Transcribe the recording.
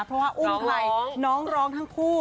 เพราะว่าอุ้มใครน้องร้องทั้งคู่